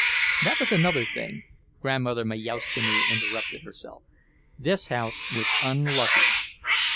That was another thing, Grandmother Majauszkiene interrupted herself—this house was unlucky.